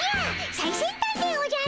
最先端でおじゃる。